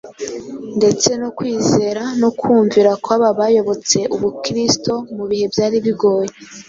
ndetse no kwizera no kumvira kw’aba bayobotse Ubukristo mu bihe byari bigoye,